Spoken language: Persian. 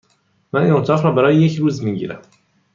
من این اتاق را برای یک روز می گیرم.